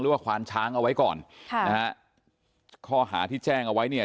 หรือว่าควานช้างเอาไว้ก่อนค่ะข้อหาที่แจ้งเอาไว้เนี่ย